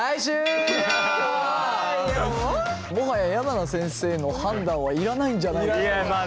もはや山名先生の判断はいらないんじゃないかと。